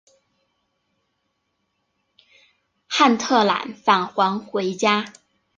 斡特懒返还回家。